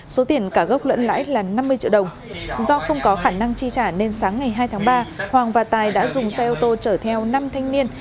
số tiền cả gốc lẫn lãi là năm mươi triệu đồng do không có khả năng chi trả nên sáng ngày hai tháng ba hoàng và tài đã dùng xe ô tô chở theo năm thanh niên